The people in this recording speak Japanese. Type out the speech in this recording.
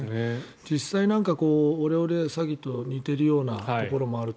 実際、オレオレ詐欺と似てるようなところもあると。